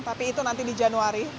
tapi itu nanti di januari